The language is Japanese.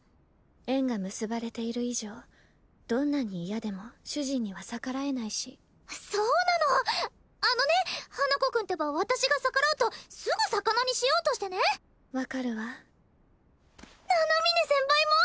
縁が結ばれている以上どんなに嫌でも主人には逆らえないしそうなのあのね花子くんってば私が逆らうとすぐ魚にしようとしてね分かるわ七峰先輩も？